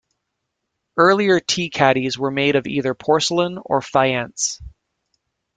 Earlier tea caddies were made of either porcelain or faience.